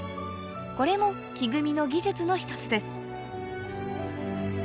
これも木組みの技術の一つです